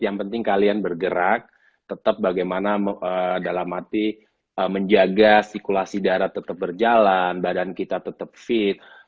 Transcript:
yang penting kalian bergerak tetap bagaimana dalam arti menjaga sikulasi darah tetap berjalan badan kita tetap fit